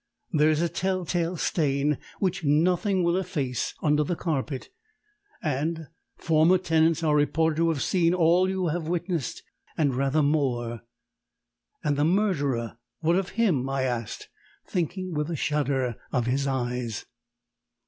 "There is a tell tale stain (which nothing will efface) under the carpet and former tenants are reported to have seen all you have witnessed, and rather more." "And the murderer! what of him?" I asked, thinking with a shudder of his eyes.